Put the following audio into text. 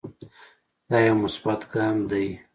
دا يو مثبت ګام دے